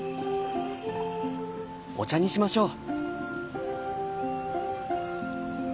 お茶にしましょう。